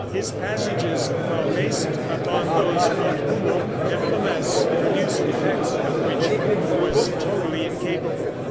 His passages, while based upon those of Hummel, nevertheless produced effects of which Hummel was totally incapable.